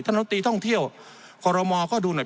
ถ้าหน้าตีท่องเที่ยวกรมก็ดูหน่อย